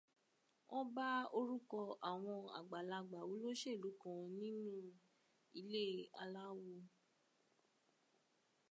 Wọ́n bá orúkọ àwọn àgbàlagbà olóṣèlú kan nínú ilé aláwo